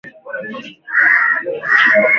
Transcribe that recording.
Tuna pashwa kwenda na shoka ya baba